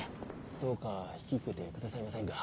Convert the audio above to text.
どうか引き受けて下さいませんか。